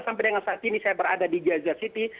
sampai dengan saat ini saya berada di gaza city